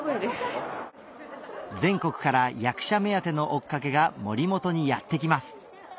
全国から役者目当ての追っかけが森本にやってきます